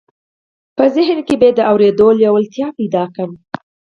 په ذهن کې به یې د اورېدو لېوالتیا پیدا کړم